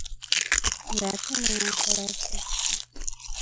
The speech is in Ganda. Ng’ate munaakola ki?